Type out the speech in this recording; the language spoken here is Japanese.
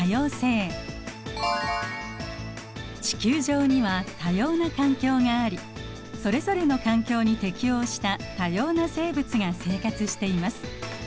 地球上には多様な環境がありそれぞれの環境に適応した多様な生物が生活しています。